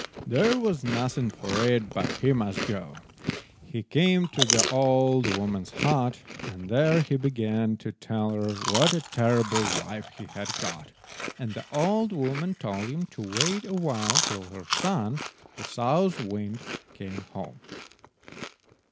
There was nothing for it but he must go. He came to the old woman's hut, and there he began to tell her what a terrible wife he had got, and the old woman told him to wait a while till her son, the South wind, came home.